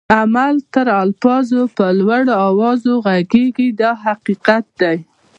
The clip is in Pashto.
عمل تر الفاظو په لوړ آواز ږغيږي دا حقیقت دی.